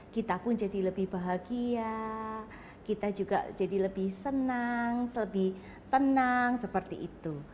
kita pun jadi lebih bahagia kita juga jadi lebih senang lebih tenang seperti itu